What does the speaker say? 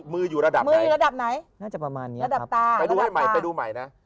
มืออยู่ระดับไหนระดับตาน่าจะประมาณนี้ครับไปดูใหม่นะ